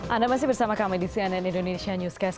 anda masih bersama kami di cnn indonesia newscast